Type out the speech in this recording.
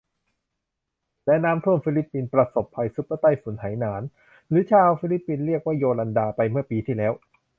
และน้ำท่วม ฟิลิปปินส์ประสบภัยซุปเปอร์ใต้ฝุ่นไหหนาน หรือชาวฟิลิปปินส์เรียกว่าโยลันดา ไปเมื่อปีที่แล้ว